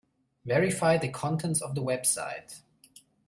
Verify the contents of the website.